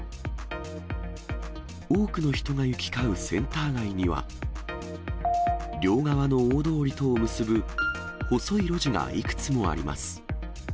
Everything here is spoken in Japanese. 多くの人が行き交うセンター街には、両側の大通りとを結ぶ細い路地がいくつもあります。